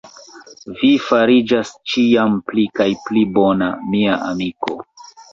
Vi fariĝas ĉiam pli kaj pli bona, mia amiko.